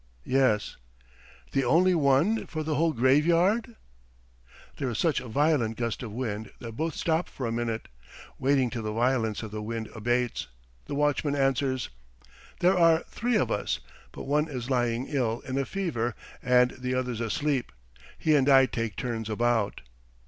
"Yes." "The only one for the whole graveyard?" There is such a violent gust of wind that both stop for a minute. Waiting till the violence of the wind abates, the watchman answers: "There are three of us, but one is lying ill in a fever and the other's asleep. He and I take turns about."